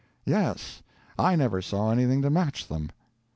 "Yes; I never saw anything to match them."